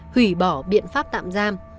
hủy bỏ biện pháp tạm giam